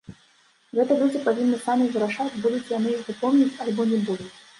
Гэта людзі павінны самі вырашаць, будуць яны яго помніць альбо не будуць.